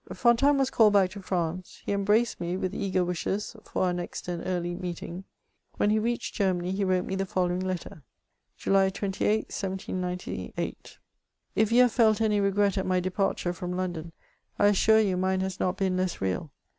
Fontanes was called back to France ; he embraced me, with ^ eager wbhes for our next and early meeting. When he u reached Grermany, he wrote me the following letter :— It "July 28, 1798. " If you have felt any regret at my departure from London, ^ I assure you mine has not been less real.